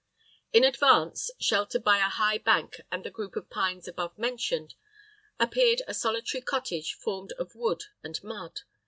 In advance, sheltered by a high bank and the group of pines above mentioned, appeared a solitary cottage formed of wood and mud.